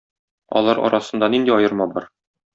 Алар арасында нинди аерма бар?